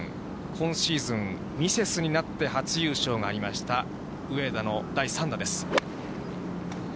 今シーズン、ミセスになって初優勝がありました、上田の第３打です。